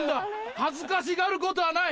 恥ずかしがることはない！